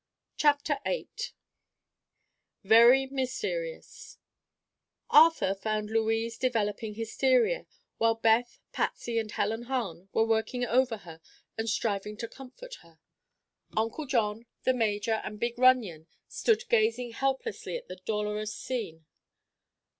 CHAPTER VIII—VERY MYSTERIOUS Arthur found Louise developing hysteria, while Beth, Patsy and Helen Hahn were working over her and striving to comfort her. Uncle John, the major and big Runyon stood gazing helplessly at the dolorous scene.